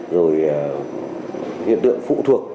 rồi hiện tượng phụ thuộc